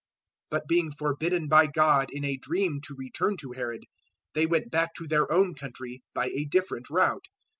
002:012 But being forbidden by God in a dream to return to Herod, they went back to their own country by a different route.